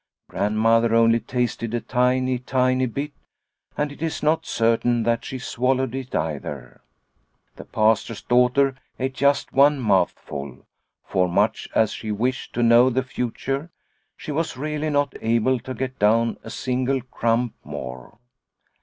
Grandmother only tasted a tiny, tiny bit, and it is not certain that she swallowed it either. The Pastor's daughter ate just one mouthful, for much as she wished to know the future, she was really not able to get down a single crumb more.